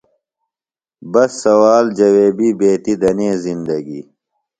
بس سوال جویبیۡ بیتیۡ دنے زندگی۔